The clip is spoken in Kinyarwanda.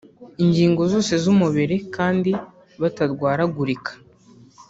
ingingo zose z’umubiri kandi batarwaragurika